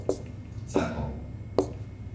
Cakov